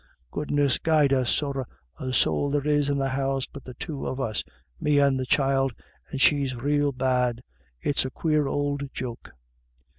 Goodness guide us, sorra a sowl there is in the house but the two of us, me and the child, and she's rael bad. It's a quare ould joke."